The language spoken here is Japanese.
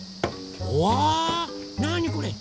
うわなにこれ。